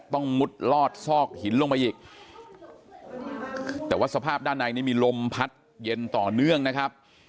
มุดลอดซอกหินลงมาอีกแต่ว่าสภาพด้านในนี้มีลมพัดเย็นต่อเนื่องนะครับ